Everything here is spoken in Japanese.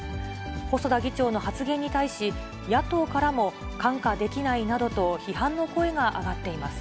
細田議長の発言に対し、野党からも看過できないなどと批判の声が上がっています。